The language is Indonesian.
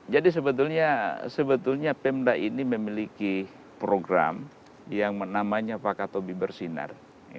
jadi sebetulnya pemda ini memiliki program yang namanya pakatobi bersinar